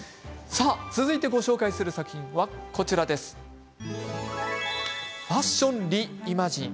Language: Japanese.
続いてご紹介する作品「ファッション・リイマジン」。